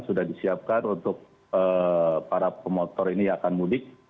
sudah disiapkan untuk para pemotor ini akan mudik